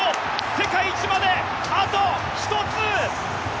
世界一まであと１つ！